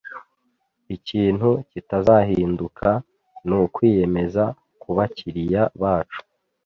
Ikintu kitazahinduka nukwiyemeza kubakiriya bacu